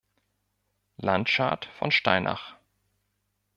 Landschad von Steinach.